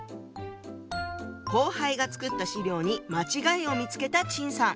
後輩が作った資料に間違いを見つけた陳さん。